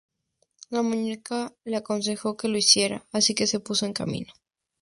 La muñeca le aconsejó que lo hiciera, así que se puso en camino.